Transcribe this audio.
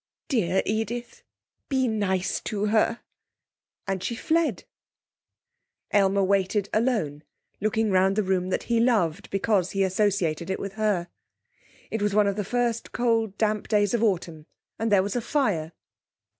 'Dear Edith! Be nice to her.' And she fled. Aylmer waited alone, looking round the room that he loved because he associated it with her. It was one of the first cold damp days of the autumn, and there was a fire.